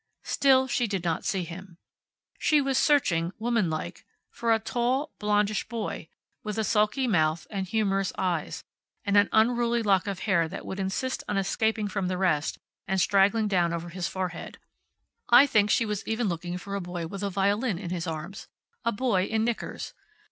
Still she did not see him. She was searching, womanlike, for a tall, blondish boy, with a sulky mouth, and humorous eyes, and an unruly lock of hair that would insist on escaping from the rest and straggling down over his forehead. I think she was even looking for a boy with a violin in his arms. A boy in knickers.